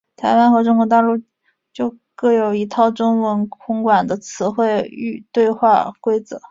台湾和中国大陆就都各有一套中文空管的词汇和对话规则。